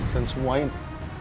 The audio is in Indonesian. dan semua ini